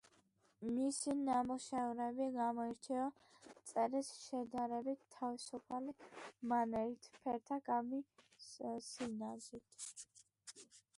მისი ნამუშევრები გამოირჩევა წერის შედარებით თავისუფალი მანერით, ფერთა გამის სინაზით.